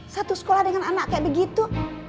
satu sekolah dengan anak kayak begitu